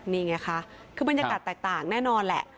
นี่ไงคะคือบรรยากาศแตกต่างแน่นอนแหละ